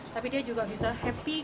tapi dia juga bisa happy